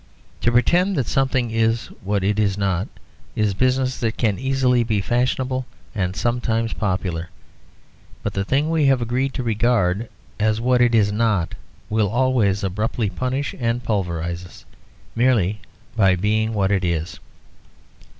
To pretend that something is what it is not is business that can easily be fashionable and sometimes popular. But the thing we have agreed to regard as what it is not will always abruptly punish and pulverise us, merely by being what it is.